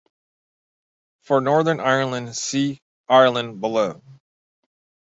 For Northern Ireland, see Ireland below.